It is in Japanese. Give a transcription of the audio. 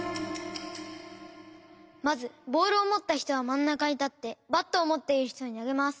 まずボールをもったひとはまんなかにたってバットをもっているひとになげます。